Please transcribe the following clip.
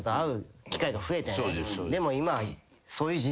でも今は。